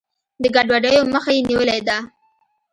د ګډوډیو مخه یې نیولې ده.